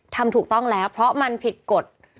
ทำถูกต้องแล้วเพราะมันผิดกฎ